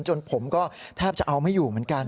ผมก็แทบจะเอาไม่อยู่เหมือนกัน